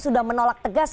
sudah menolak tegas